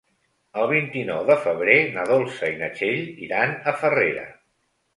El vint-i-nou de febrer na Dolça i na Txell iran a Farrera.